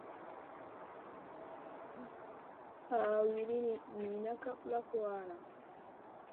Hay wulini nina ka ɓlak wanaʼ.